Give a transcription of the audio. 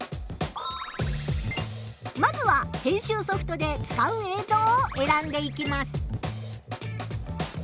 まずは編集ソフトで使う映像をえらんでいきます。